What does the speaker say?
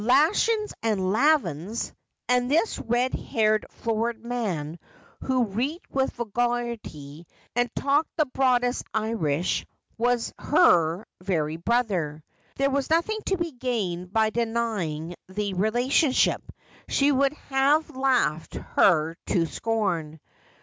' Lashins and lavins !' and this red haired, florid man, who reeked with vulgarity, and talked the broadest Irish, was her very brother. There was nothing to be gained by denying the relationship ; he would have laughed her to scorn.